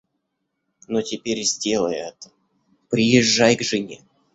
Но теперь, сделай это, приезжай к жене.